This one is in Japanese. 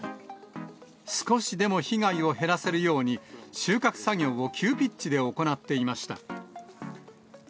少しでも被害を減らせるように、収穫作業を急ピッチで行っていました。